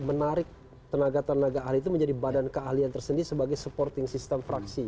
menarik tenaga tenaga ahli itu menjadi badan keahlian tersendiri sebagai supporting system fraksi